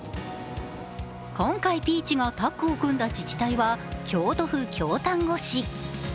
今回ピーチがタッグを組んだ自治体は京都府京丹後市。